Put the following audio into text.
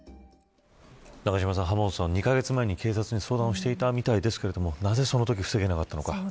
浜本さん、２カ月前に警察に相談をしていたみたいですがなぜそのとき防げなかったのか。